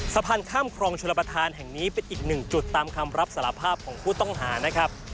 สะพานข้ามครองชลประธานแห่งนี้เป็นอีกหนึ่งจุดตามคำรับสารภาพของผู้ต้องหานะครับ